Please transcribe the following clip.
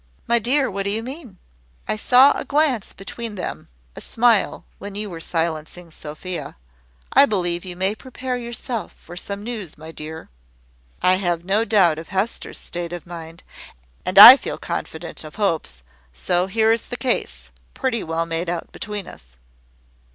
"My dear, what do you mean?" "I saw a glance between them, a smile, when you were silencing Sophia. I believe you may prepare yourself for some news, my dear." "I have no doubt of Hester's state of mind " "And I feel confident of Hope's; so here is the case, pretty well made out between us."